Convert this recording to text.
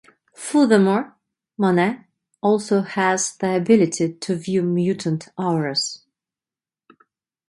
Furthermore, Monet also has the ability to view mutant auras.